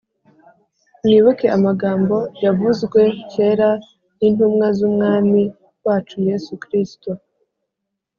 mwibuke amagambo yavuzwe kera n’intumwa z’umwami wacu yesu kristo